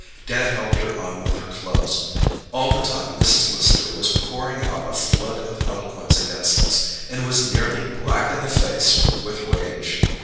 Dad helped her on with her clothes. All the time Mrs. Lister was pouring out a flood of eloquence against us, and was nearly black in the face with rage.